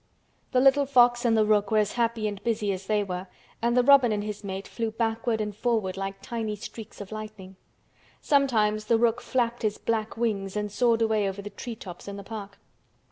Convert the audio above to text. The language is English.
The little fox and the rook were as happy and busy as they were, and the robin and his mate flew backward and forward like tiny streaks of lightning. Sometimes the rook flapped his black wings and soared away over the tree tops in the park.